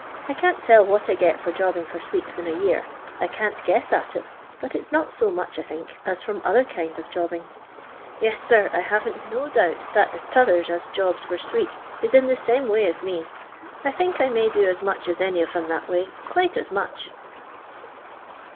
I can't tell what I get for jobbing for sweeps in a year. I can't guess at it, but it 's not so much, I think, as from other kinds of job bing. Tes, sir, I haven't no doubt that the t'othen as jobs for sweeps is in the same way as me. I think I may do as much as any of 'em that way, quite as much."